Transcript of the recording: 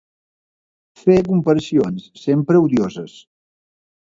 Fer comparacions, sempre odioses